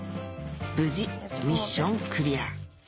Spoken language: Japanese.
無事ミッションクリア